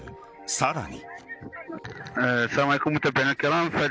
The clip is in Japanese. さらに。